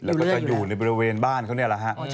แล้วก็จะอยู่ในบริเวณบ้านเขานี่แหละฮะ